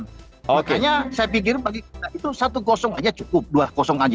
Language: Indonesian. makanya saya pikir bagi kita itu satu aja cukup dua aja